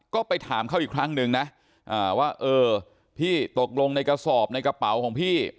ก็ไปถามเขาอีกครั้งนึงนะว่าเออพี่ตกลงในกระสอบในกระเป๋าของพี่